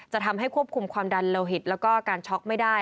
ทำให้ควบคุมความดันโลหิตแล้วก็การช็อกไม่ได้